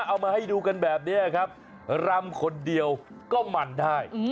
เอามาให้ดูกันแบบนี้ครับรำคนเดียวก็มันได้